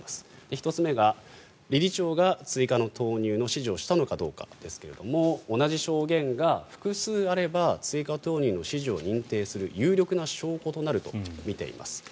１つ目が、理事長が追加の投入の指示をしたのかどうかですが同じ証言が複数あれば追加投入の指示を認定する有力な証拠となると見ています。